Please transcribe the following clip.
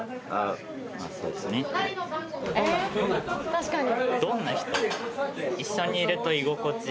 確かに。